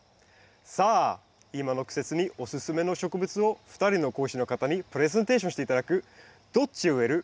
さあ今の季節におすすめの植物を２人の講師の方にプレゼンテーションして頂く「どっち植える？」